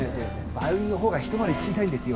バイオリンのほうがひと回り小さいんですよ。